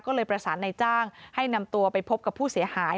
ก็เลยประสานในจ้างให้นำตัวไปพบกับผู้เสียหาย